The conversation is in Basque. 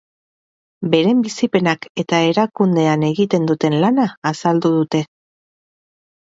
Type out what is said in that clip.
Beren bizipenak eta erakundean egiten duten lana azaldu dute.